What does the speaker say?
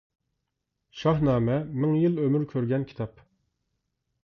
«شاھنامە» مىڭ يىل ئۆمۈر كۆرگەن كىتاب.